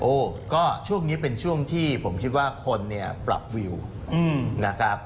โอ้ก็ช่วงนี้เป็นช่วงที่ผมคิดว่าคนเนี่ยปรับวิวนะครับ